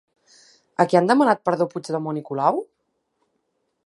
A qui han demanat perdó Puigdemont i Colau?